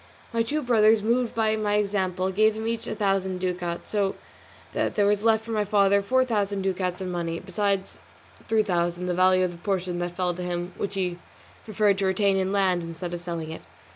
My two brothers, moved by my example, gave him each a thousand ducats, so that there was left for my father four thousand ducats in money, besides three thousand, the value of the portion that fell to him which he preferred to retain in land instead of selling it.